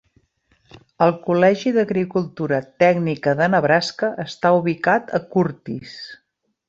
El Col·legi d'Agricultura Tècnica de Nebraska està ubicat a Curtis.